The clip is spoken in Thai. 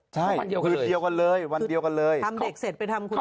ใช่คือเดียวกันเลยวันเดียวกันเลยทำเด็กเสร็จไปทำคนเดียว